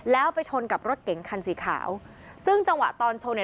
แล้วไปชนกับรถเก๋งคันสีขาวซึ่งจังหวะตอนชนเนี่ย